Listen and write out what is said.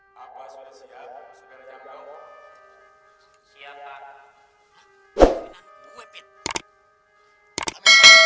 apa apa sosial berjaga jaga siapa